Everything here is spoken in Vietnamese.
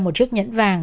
một chiếc nhẫn vàng